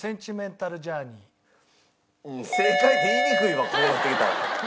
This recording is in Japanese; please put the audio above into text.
うん「正解！」って言いにくいわこれやってきたら。